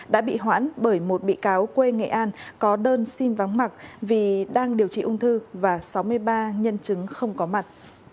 đã bị hoãn bởi một bị cáo quê nghệ an có đơn xin vắng mặt vì đang điều trị ung thư và sáu mươi ba nhân chứng không có mặt